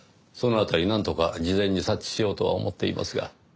その辺りなんとか事前に察知しようとは思っていますが。